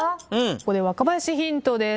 ここで若林ヒントです。